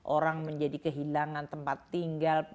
orang menjadi kehilangan tempat tinggal